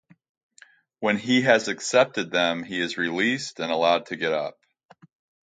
When he has accepted them, he is released and allowed to get up.